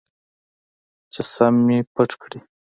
چې سم مې پټ کړي.